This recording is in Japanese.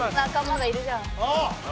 仲間がいるじゃん。